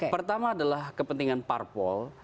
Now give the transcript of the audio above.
pertama adalah kepentingan parpol